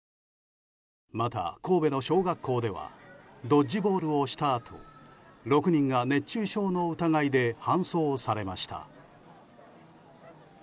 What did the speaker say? また、神戸の小学校ではドッジボールをしたあと６人が熱中症の疑いで搬送されました。